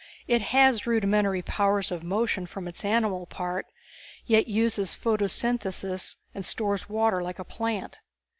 It has rudimentary powers of motion from its animal part, yet uses photosynthesis and stores water like a plant.